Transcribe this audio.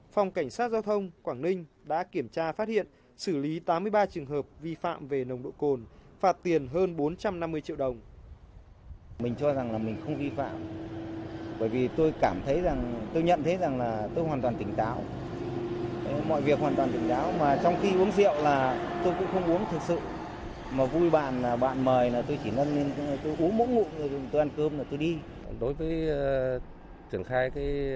phòng cảnh sát giao thông quảng ninh đã kiểm tra phát hiện xử lý tám mươi ba trường hợp vi phạm về nồng độ cồn phạt tiền hơn bốn trăm năm mươi triệu đồng